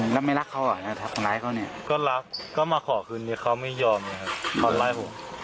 แล้วไม่รักเขาเหรอก็รักก็มาขอคืนเขาไม่ยอมนะครับ